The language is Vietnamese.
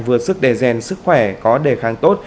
vượt sức đề rèn sức khỏe có đề kháng tốt